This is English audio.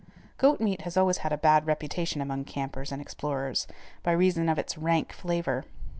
Goat meat has always had a bad reputation among campers and explorers, by reason of its rank flavor.